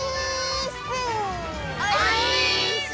オィーッス！